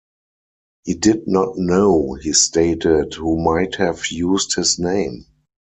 He did not know, he stated, who might have used his name.